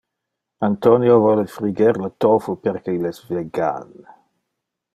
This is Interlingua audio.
Antonio vole friger le tofu perque il es vegan.